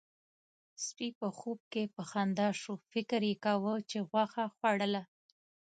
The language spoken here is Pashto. سپي په خوب کې په خندا شو، فکر يې کاوه چې غوښه خوړله.